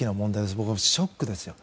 僕はショックですよ。